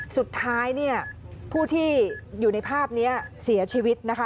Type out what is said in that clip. สุดท้ายเนี่ยผู้ที่อยู่ในภาพนี้เสียชีวิตนะคะ